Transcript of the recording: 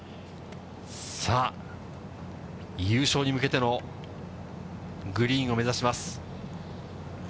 さあ、優勝に向けてのグリーンを目指します。